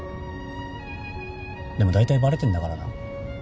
でもだいたいバレてんだからな。